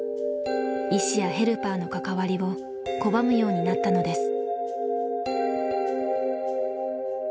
医師やヘルパーの関わりを拒むようになったのです。